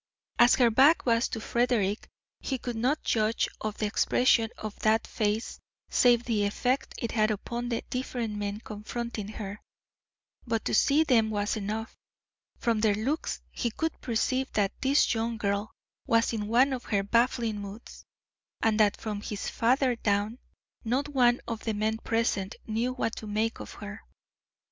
As her back was to Frederick he could not judge of the expression of that face save by the effect it had upon the different men confronting her. But to see them was enough. From their looks he could perceive that this young girl was in one of her baffling moods, and that from his father down, not one of the men present knew what to make of her.